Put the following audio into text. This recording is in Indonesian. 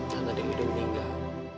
tante dewi udah meninggal